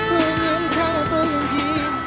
aku ingin kamu berjanji